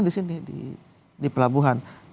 di sini di pelabuhan